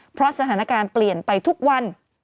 เพราะสถานการณ์เปลี่ยนไปทุกวัน